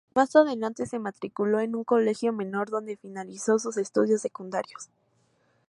Más adelante se matriculó en un colegio menor donde finalizó sus estudios secundarios.